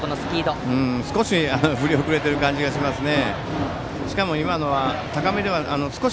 少し振り遅れている感じがしますね。